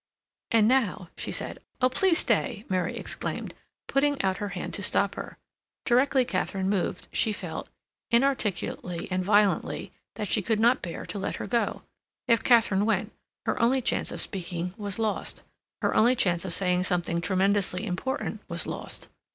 "And now—" she said. "Oh, please stay!" Mary exclaimed, putting out her hand to stop her. Directly Katharine moved she felt, inarticulately and violently, that she could not bear to let her go. If Katharine went, her only chance of speaking was lost; her only chance of saying something tremendously important was lost.